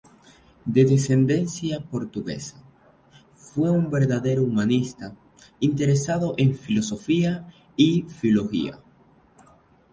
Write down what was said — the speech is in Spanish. De ascendencia portuguesa, fue un verdadero humanista, interesado en filosofía y filología.